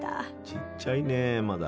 ちっちゃいねまだ。